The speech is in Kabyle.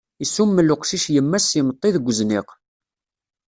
Isummel uqcic yemma-s s yimeṭṭi deg uzniq.